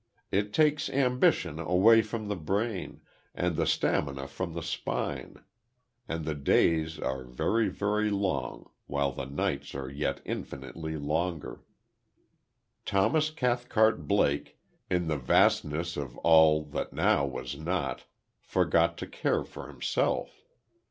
It takes ambition from the brain, and the stamina from the spine; and the days are very, very long, while the nights are yet infinitely longer. Thomas Cathcart Blake, in the vastness of all that now was not, forgot to care for himself.